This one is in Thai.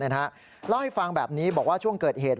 เล่าให้ฟังแบบนี้บอกว่าช่วงเกิดเหตุ